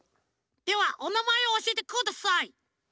ではおなまえをおしえてください。